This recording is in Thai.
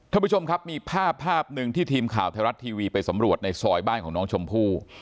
ท่านผู้ชมครับมีภาพภาพหนึ่งที่ทีมข่าวไทยรัฐทีวีไปสำรวจในซอยบ้านของน้องชมพู่